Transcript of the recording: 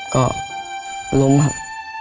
ก็ล้มครับ